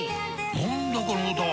何だこの歌は！